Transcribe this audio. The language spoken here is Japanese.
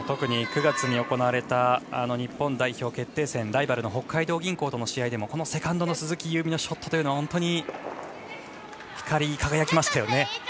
特に９月に行われた日本代表決定戦ライバルの北海道銀行との試合もセカンドの鈴木夕湖のショットというのが本当に光り輝きましたよね。